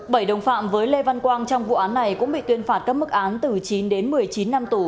bảy đồng phạm với lê văn quang trong vụ án này cũng bị tuyên phạt các mức án từ chín đến một mươi chín năm tù